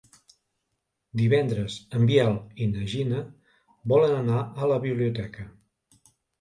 Divendres en Biel i na Gina volen anar a la biblioteca.